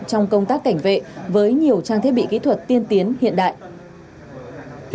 trong công tác cảnh vệ với nhiều trang thiết bị kỹ thuật tiên tiến hiện đại